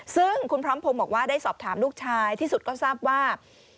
ซึ่งคุณพร้อมพงศ์บอกว่าได้สอบถามลูกชายที่สุดก็ทราบว่า